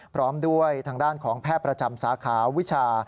พร้อมด้วยทางด้านของแพทย์ประจำสาขาวิชา